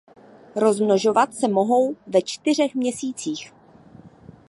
Rozmnožovat se mohou ve čtyřech měsících.